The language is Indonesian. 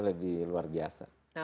lebih luar biasa